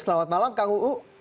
selamat malam kang uu